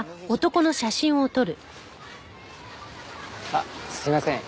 あっすいません。